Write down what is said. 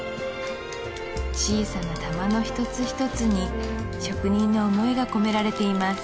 小さな珠の一つ一つに職人の思いが込められています